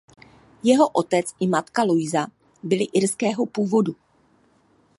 Jeho otec i matka Louisa byli irského původu.